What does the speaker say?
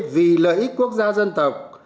vì lợi ích quốc gia dân tộc